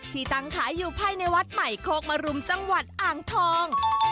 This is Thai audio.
ที่ตั้งขายอยู่ภายในวัดใหม่โคกมรุมจังหวัดอ่างทอง